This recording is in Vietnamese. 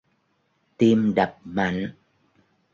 tim đập mạnh